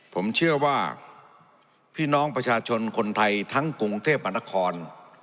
ผมเชื่อว่าพี่น้องประชาชนคนไทยทั้งกรุงเทพมหานคร